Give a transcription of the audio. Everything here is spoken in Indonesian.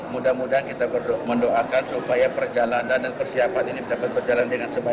mudah mudahan kita mendoakan supaya perjalanan dan persiapan ini dapat berjalan dengan baik